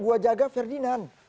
gue jaga ferdinand